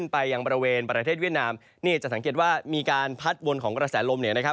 ไปยังบริเวณประเทศเวียดนามนี่จะสังเกตว่ามีการพัดวนของกระแสลมเนี่ยนะครับ